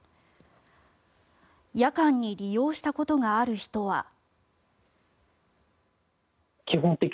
夜間に利用したことがある人は。